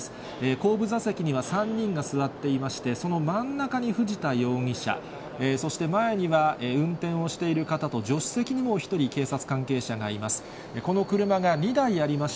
後部座席には３人が座っていまして、その真ん中に藤田容疑者、そして前には運転をしている方と助手席にも１人、警察関係者がいます。